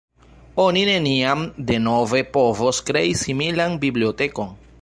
Oni neniam denove povos krei similan bibliotekon.